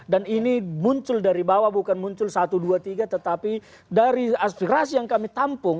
dan ini muncul dari bawah bukan muncul satu dua tiga tetapi dari aspirasi yang kami tampung